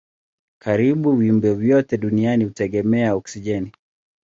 Karibu viumbe vyote duniani hutegemea oksijeni.